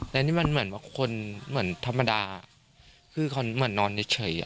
และนี่มันเหมือนว่าคนเหมือนธรรมดาคือเขาเหมือนนอนเฉย